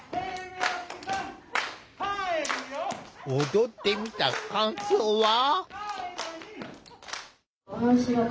踊ってみた感想は？